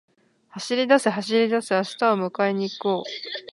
走りだせ、走りだせ、明日を迎えに行こう